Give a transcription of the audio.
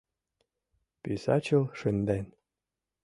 — Писачыл шынден.